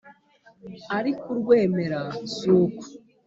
ari ku rwemera suku